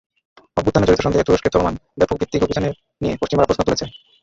অভ্যুত্থানে জড়িত সন্দেহে তুরস্কে চলমান ব্যাপকভিত্তিক অভিযানের নিয়ে পশ্চিমারা প্রশ্ন তুলেছে।